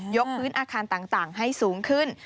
พื้นอาคารต่างให้สูงขึ้น